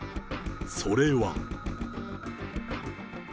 それは。